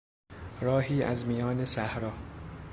راهی از میان صحرا